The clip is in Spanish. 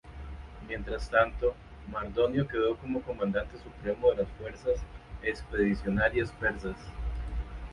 Mientras tanto, Mardonio quedó como comandante supremo de las fuerzas expedicionarias persas.